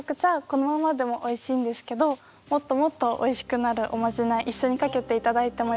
このままでもおいしいんですけどもっともっとおいしくなるおまじない一緒にかけて頂いてもよろしいですか？